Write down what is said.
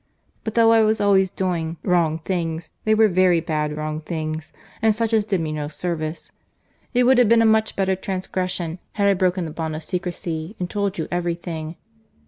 But though I was always doing wrong things, they were very bad wrong things, and such as did me no service.—It would have been a much better transgression had I broken the bond of secrecy and told you every thing."